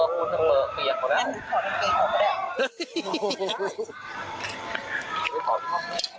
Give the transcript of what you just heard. ครัว